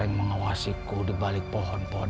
yang mengawasiku di balik pohon pohon